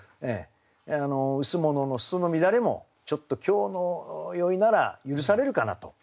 「羅の裾の乱れ」もちょっと「京の宵」なら許されるかなと。